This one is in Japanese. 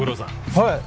はい！